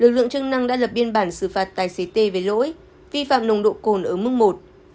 lực lượng chức năng đã lập biên bản xử phạt tài xế tê về lỗi vi phạm nồng độ cồn ở mức một